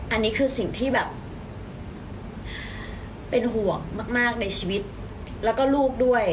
อันนี้คือสิ่งที่แบบเป็นห่วงมากในชีวิตแล้วก็ลูกด้วย